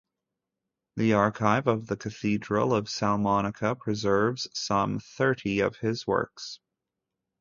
The archive of the Cathedral of Salamanca preserves some thirty of his works.